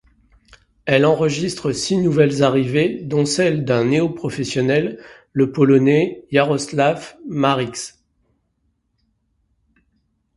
Elle enregistre six nouvelles arrivées, dont celle d'un néo-professionnel, le Polonais Jarosław Marycz.